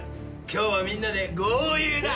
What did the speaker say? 今日はみんなで豪遊だ！